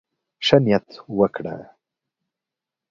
ښه نيت وکړه.